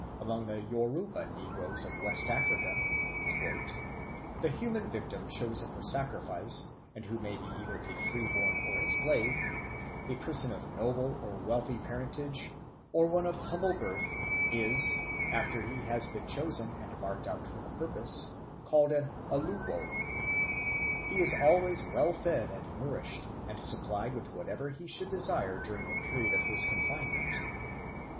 Among the Yoruba negroes of West Africa "the human victim chosen for sacrifice, and who may be either a freeborn or a slave, a person of noble or wealthy parentage, or one of humble birth, is, after he has been chosen and marked out for the purpose, called an Oluwo. He is always well fed and nourished and supplied with whatever he should desire during the period of his confinement.